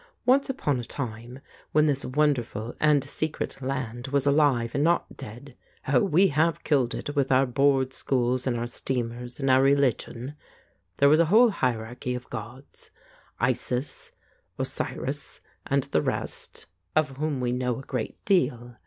Once upon a time, when this wonderful and secret land was alive and not dead — oh, we have killed it with our board schools and out steamers and our religion — there was a whole hier archy of gods, Isis, Osiris, and the rest, of whom 191 The Ape we know a great deal.